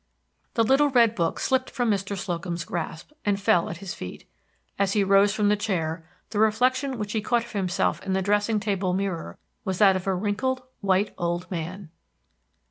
The little red book slipped from Mr. Slocum's grasp and fell at his feet. As he rose from the chair, the reflection which he caught of himself in the dressing table mirror was that of a wrinkled, white old man.